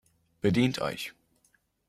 Bedient euch!